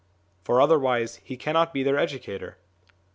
For otherwise he cannot be their educator.